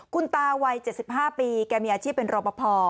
คุณตาวัย๗๕ปีแกมีอาชีพเป็นรอปภ